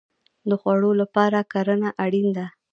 د خوړو لپاره کرنه اړین ده